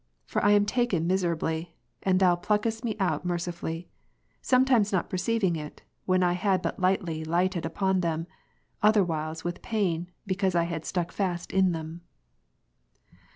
For I am taken miserably, and Thou pluckest me out mercifvilly; some times not perceiving it, when I had but lightly lighted upon them ; otherwhiles with pain, because I had stuck fast in them.